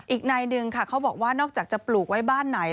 อีกนายหนึ่งค่ะเขาบอกว่านอกจากจะปลูกไว้บ้านไหน